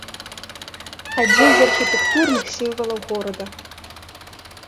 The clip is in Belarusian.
Адзін з архітэктурных сімвалаў горада.